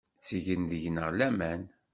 Ttgen deg-neɣ laman.